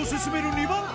２番手